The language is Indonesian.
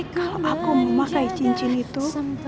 kalau aku memakai cincin itu